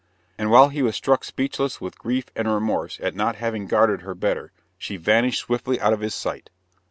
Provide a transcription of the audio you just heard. And while he was struck speechless with grief and remorse at not having guarded her better, she vanished swiftly out of his sight.